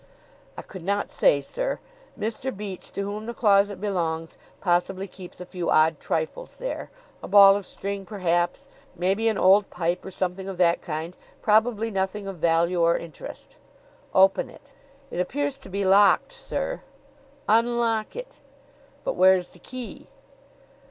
"I could not say, sir. Mr. Beach, to whom the closet belongs, possibly keeps a few odd trifles there. A ball of string, perhaps. Maybe an old pipe or something of that kind. Probably nothing of value or interest." "Open it." "It appears to be locked, sir " "Unlock it." "But where is the key?"